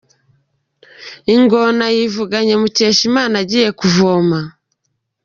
Ngoma Ingona yivuganye Mukeshimana agiye kuvoma